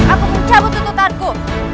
aku mencabut tutupanku